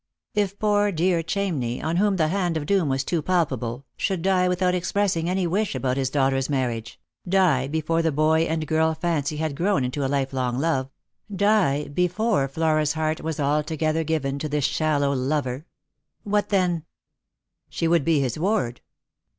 If poor dear Chamney, on whom the hand of doom was too palpable, should die without expressing any wish about his daughter's marriage — die before the boy and girl fancy had grown into a life long love — die before Flora's heart Iras altogether given to this shallow lover — what then ? She frould be his ward.